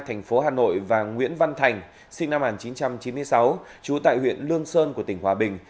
thành phố hà nội và nguyễn văn thành sinh năm một nghìn chín trăm chín mươi sáu trú tại huyện lương sơn của tỉnh hòa bình